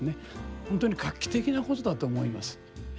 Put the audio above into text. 本当に画期的なことだと思いますええ。